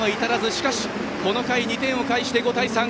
しかしこの回２点を返して５対３。